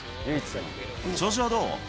調子はどう？